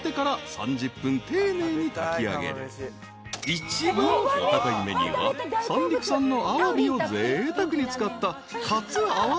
［一番お高いメニューは三陸産のアワビをぜいたくに使った］